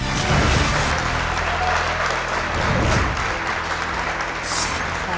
พ่อสนอเลือกตอบตัวเลือกที่๒คือแป้งมันครับ